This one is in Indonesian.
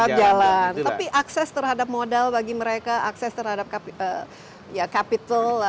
tetap jalan tapi akses terhadap modal bagi mereka akses terhadap capital